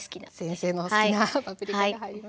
先生のお好きなパプリカが入りました。